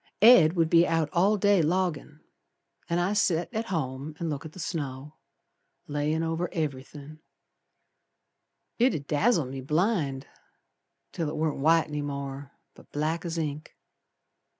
Ed would be out all day loggin', An' I set at home and look at the snow Layin' over everythin'; It 'ud dazzle me blind, Till it warn't white any more, but black as ink.